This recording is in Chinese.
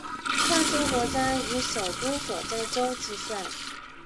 跨洲国家以首都所在洲计算。